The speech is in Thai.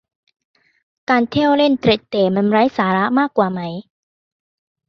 การเที่ยวเล่นเตร็ดเตร่มันไร้สาระมากว่าไหม